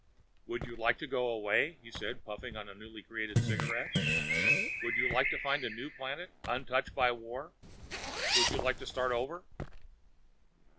"Would you like to go away?" he said, puffing on a newly created cigarette. "Would you like to find a new planet, untouched by war? Would you like to start over?"